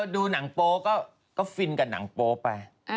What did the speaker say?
ดูหนังโป๊ก็ฟินกับหนังโป๊ไป